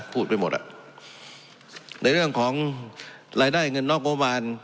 พูดไปหมดอ่ะในเรื่องของรายได้เงินนอกงบประมาณ